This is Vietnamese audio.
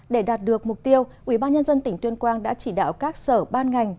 để đạt được mục tiêu ubnd tỉnh tuyên quang đã chỉ đạo các sở ban ngành